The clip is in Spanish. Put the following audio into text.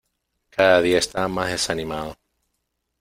Cada día está más desanimado.